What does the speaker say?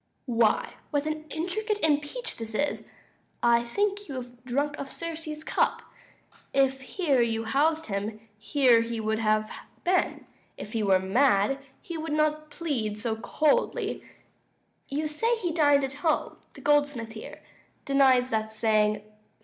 Duke. Why, what an intricate impeach is this! I think you all have drunk of Circe's cup. 270 If here you housed him, here he would have been; If he were mad, he would not plead so coldly: You say he dined at home; the goldsmith here Denies that saying.